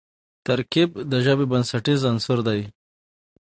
ترکیب د ژبي بنسټیز عنصر دئ.